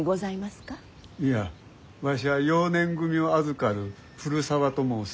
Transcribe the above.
いやわしは幼年組を預かる古沢と申す。